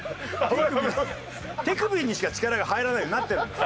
手首にしか力が入らないようになってるんです。